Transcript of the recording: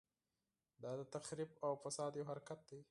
دا د تخریب او فساد یو حرکت دی.